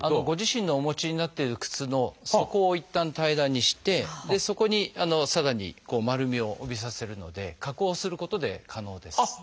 ご自身のお持ちになっている靴の底をいったん平らにしてそこにさらに丸みを帯びさせるので加工することで可能です。